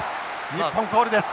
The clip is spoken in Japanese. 日本コールです。